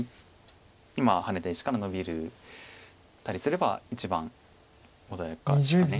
今ハネた石からノビたりすれば一番穏やかですか。